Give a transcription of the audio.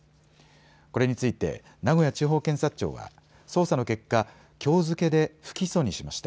これについて名古屋地方検察庁は捜査の結果、きょう付けで不起訴にしました。